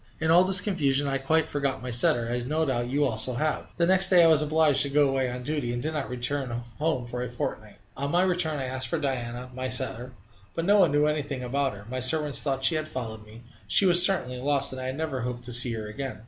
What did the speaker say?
In all this confusion I quite forgot my setter, as no doubt you also have. The next day I was obliged to go away on duty, and did not return home for a fortnight. On my return I asked for Diana, my setter. No one knew anything about her. My servants thought she had followed me. She was certainly lost, and I never hoped to see her again!